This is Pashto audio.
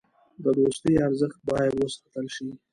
د دوستۍ ارزښت باید وساتل شي.